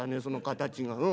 その形が。